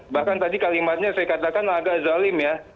bahkan tadi kalimatnya saya katakan agak zalim ya